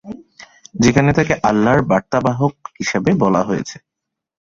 যেখানে তাকে আল্লাহর বার্তাবাহক হিসাবে বলা হয়েছে।